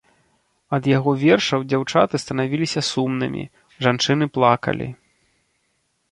Ад яго вершаў дзяўчаты станавіліся сумнымі, жанчыны плакалі.